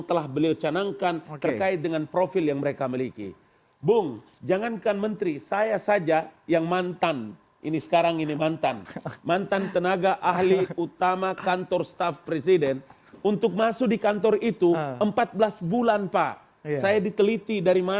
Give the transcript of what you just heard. tolonglah gini ya saya terangkan ya saudara